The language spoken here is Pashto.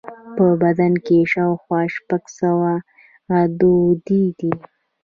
په بدن کې شاوخوا شپږ سوه غدودي دي.